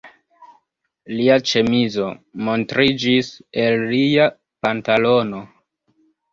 Lia ĉemizo montriĝis el lia pantalono.